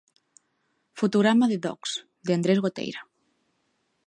Fotograma de 'Dhogs', de Andrés Goteira.